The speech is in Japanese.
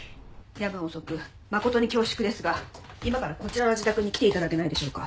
夜分遅く誠に恐縮ですが今からこちらの自宅に来て頂けないでしょうか。